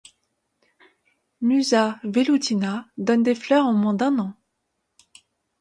Musa velutina donne des fleurs en moins d'un an.